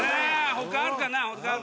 他あるかな？